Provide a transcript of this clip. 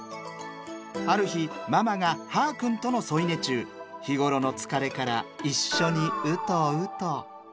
ある日ママがはーくんとの添い寝中日頃の疲れから一緒にうとうと。